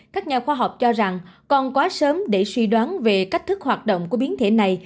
các nhà khoa học cho rằng còn quá sớm để suy đoán về cách thức hoạt động của biến thể này